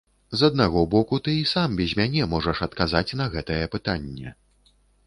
З аднаго боку, ты і сам, без мяне можаш адказаць на гэтае пытанне.